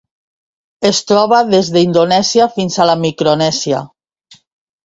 Es troba des d'Indonèsia fins a la Micronèsia.